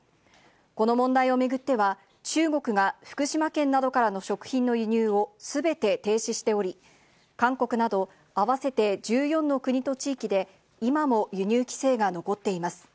この問題を巡っては、中国が福島県などからの食品の輸入をすべて停止しており、韓国など合わせて１４の国と地域で、今も輸入規制が残っています。